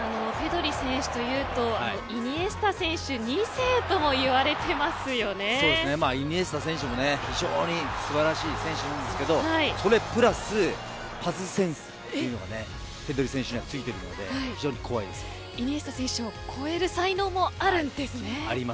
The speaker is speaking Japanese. ペドリ選手というとイニエスタ選手二世ともイニエスタ選手も、非常に素晴らしい選手なんですけどそれプラスパスセンスというのがペドリ選手にはイニエスタ選手を超える才能もあるんですね。